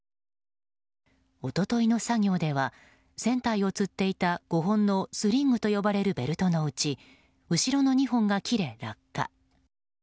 一昨日の作業では船体をつっていた５本のスリングと呼ばれるベルトのうち後ろの２本が切れ落下。